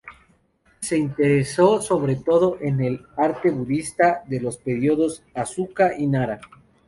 Se interesó sobre todo en el arte budista de los períodos Asuka y Nara.